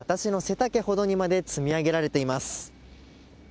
除雪された雪が私の背丈ほどにまで積み上げられています。